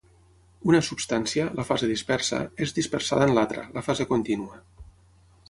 Una substància, la fase dispersa, és dispersada en l'altra, la fase contínua.